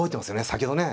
先ほどね